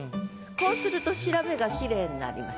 こうすると調べがきれいになります。